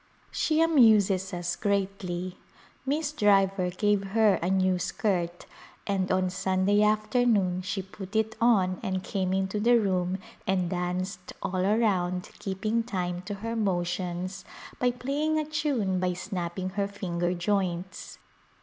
She amuses us greatly. Miss Driver gave her a new skirt and on Sunday afternoon she put it on and came into the room and danced all around keeping time to her motions by playing a tune by snapping her finger joints.